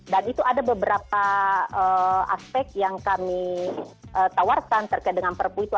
dan itu ada beberapa aspek yang kami tawarkan terkait dengan perpu itu